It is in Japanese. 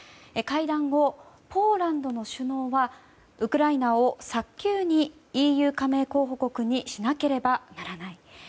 会談後、ポーランドの首脳はウクライナを早急にＥＵ加盟候補国にしなければならない。